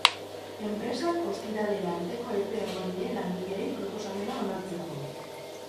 Enpresak ostiralera arteko epea eman die langileei proposamena onartzeko.